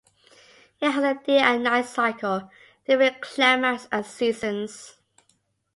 It has a day and night cycle, different climates and seasons.